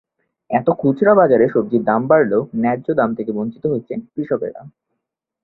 এতে খুচরা বাজারে সবজির দাম বাড়লেও ন্যায্য দাম থেকে বঞ্চিত হচ্ছেন কৃষকেরা।